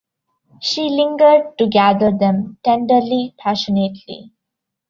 She lingered to gather them, tenderly, passionately.